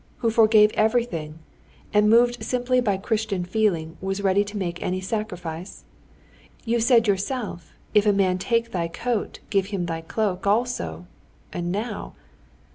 who forgave everything, and moved simply by Christian feeling was ready to make any sacrifice? You said yourself: if a man take thy coat, give him thy cloak also, and now...."